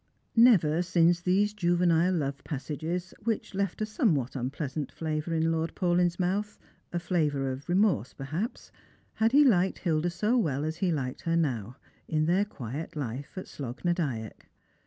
Never since these juvenile love passages, which left a somewhat unpleasant flavour in Lord Paulyn's mouth — a flavour of remorse, perhaps — had he liked Hilda so well as he liked her now, in their quiet life at Slogh na Dyack.